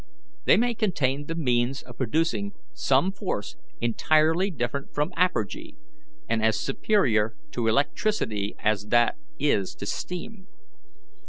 They may contain the means of producing some force entirely different from apergy, and as superior to electricity as that is to steam.